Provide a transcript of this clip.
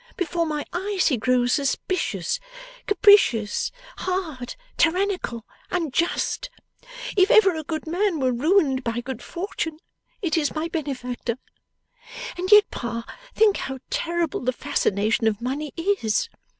Before my eyes he grows suspicious, capricious, hard, tyrannical, unjust. If ever a good man were ruined by good fortune, it is my benefactor. And yet, Pa, think how terrible the fascination of money is!